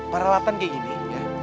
peralatan kayak gini ya